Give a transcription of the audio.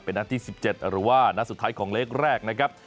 เป็นหน้าที่๑๗หรือว่าหน้าสุดท้ายของเล็กแรกนะครับ